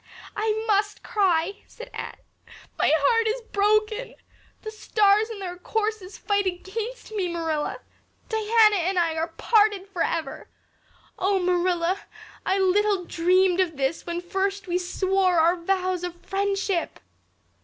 "I must cry," said Anne. "My heart is broken. The stars in their courses fight against me, Marilla. Diana and I are parted forever. Oh, Marilla, I little dreamed of this when first we swore our vows of friendship."